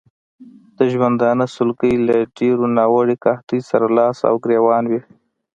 د ژوندانه سلګۍ له ډېرې ناوړه قحطۍ سره لاس او ګرېوان وې.